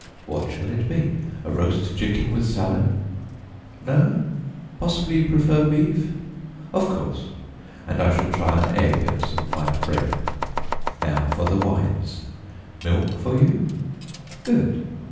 "What shall it be? A roast chicken with salad? No? Possibly you prefer beef? Of course, and I shall try an egg and some white bread. Now for the wines. Milk for you? Good.